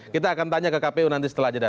kita akan tanya ke kpu nanti setelah jeda